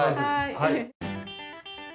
はい。